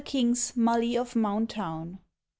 KING'S Mully of Mountown.